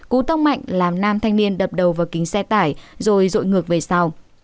cú tông mạnh làm nam thanh niên đập đầu vào kính xe tải rồi rội ngược về sau